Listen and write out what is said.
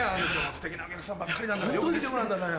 ステキなお客さんばっかりなんだからよく見てごらんなさいよ。